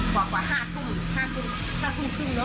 กว่ากว่า๕๓๐นนะครับ